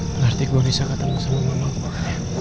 berarti gua bisa ketemu sama mama gua